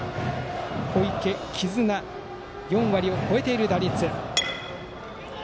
小池絆、４割を超えている打率。